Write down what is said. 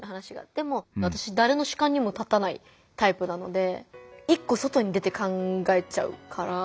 でも私誰の主観にも立たないタイプなので一個外に出て考えちゃうから。